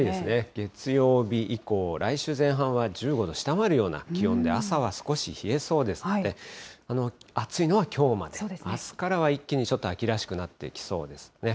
月曜日以降、来週前半は１５度下回るような気温で、朝は少し冷えそうですので、暑いのはきょうまで、あすからは一気に、ちょっと秋らしくなっていきそうですね。